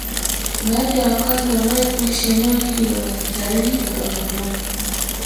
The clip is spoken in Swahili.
Baadhi ya wakazi waliowahi kuishi eneo hilo la kitalii la Bagamoyo